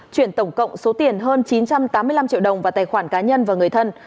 chuyển tổng cộng số tiền hơn chín trăm tám mươi năm triệu đồng vào tài khoản cá nhân và người thân